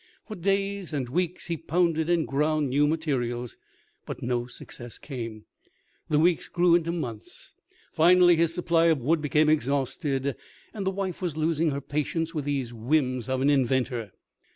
For days and weeks he pounded and ground new materials; but no success came. The weeks grew into months. Finally his supply of wood became exhausted, and the wife was losing her patience with these whims of an inventor.